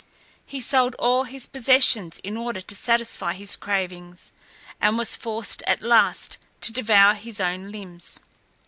He sold all his possessions in order to satisfy his cravings, and was forced at last to devour his own limbs.